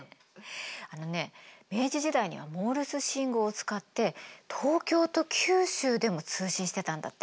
あのね明治時代にはモールス信号を使って東京と九州でも通信してたんだって。